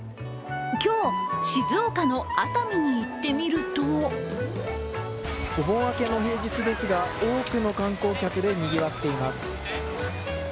今日、静岡の熱海に行ってみるとお盆明けの平日ですが、多くの観光客でにぎわっています。